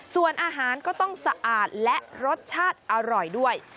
ส่วนอาหารก็ต้องสะอาดและรสชาติอร่อยด้วย